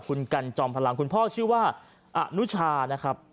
ก็ได้พลังเท่าไหร่ครับ